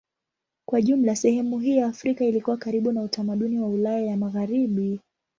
Kwa jumla sehemu hii ya Afrika ilikuwa karibu na utamaduni wa Ulaya ya Magharibi.